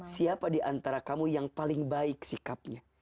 siapa diantara kamu yang paling baik sikapnya